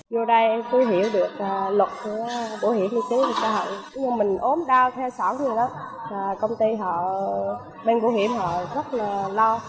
nhưng mình ốm đau theo xã hội đó công ty họ bên bảo hiểm họ rất là lo